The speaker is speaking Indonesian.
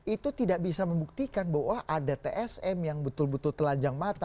itu tidak bisa membuktikan bahwa ada tsm yang betul betul telanjang mata